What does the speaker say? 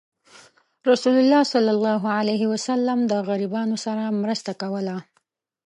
رسول الله صلى الله عليه وسلم د غریبانو سره مرسته کوله.